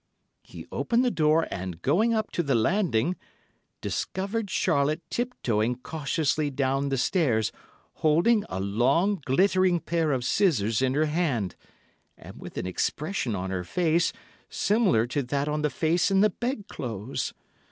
He opened the door, and, going on to the landing, discovered Charlotte tiptoeing cautiously down the stairs, holding a long, glittering pair of scissors in her hand, and with an expression on her face similar to that on the face in the bedclothes.